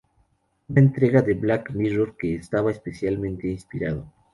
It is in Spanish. Una entrega de 'Black Mirror' que está especialmente inspirado".